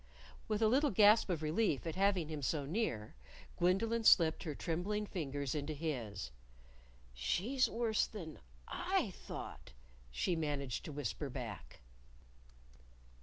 With a little gasp of relief at having him so near, Gwendolyn slipped her trembling fingers into his. "She's worse than I thought," she managed to whisper back.